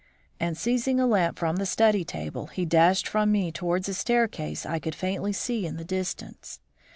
and seizing a lamp from the study table, he dashed from me towards a staircase I could faintly see in the distance.